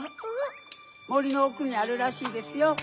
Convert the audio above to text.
もりのおくにあるらしいですよ。